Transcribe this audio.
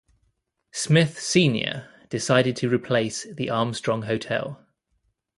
Smith, Senior decided to replace the Armstrong Hotel.